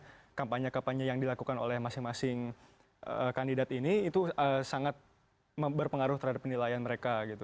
dan apa namanya kampanye kampanye yang dilakukan oleh masing masing kandidat ini itu sangat berpengaruh terhadap penilaian mereka gitu